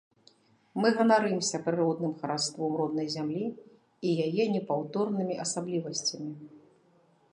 Мы ганарымся прыродным хараством роднай зямлі і яе непаўторнымі асаблівасцямі.